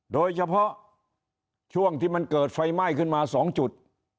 โดยเฉพาะช่วงที่มันเกิดไฟไหม้ขึ้นมา๒จุด